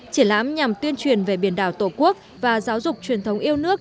triển lãm nhằm tuyên truyền về biển đảo tổ quốc và giáo dục truyền thống yêu nước